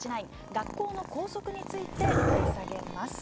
学校の校則についてお届けします。